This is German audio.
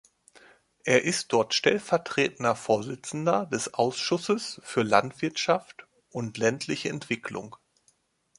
Er ist dort stellvertretender Vorsitzender des Ausschusses für Landwirtschaft und ländliche Entwicklung.